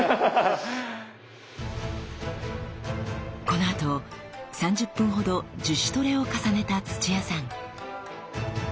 このあと３０分ほど自主トレを重ねた土屋さん。